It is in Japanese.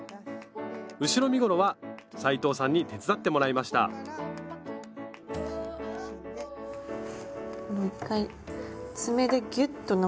後ろ身ごろは斉藤さんに手伝ってもらいました１回爪でギュッと伸ばすことが大事。